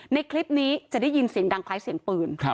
ในคลิปนี้จะได้ยินเสียงดังคล้ายเสียงปืน